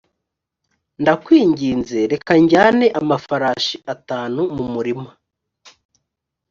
ndakwinginze reka njyane amafarashi atanu mu murima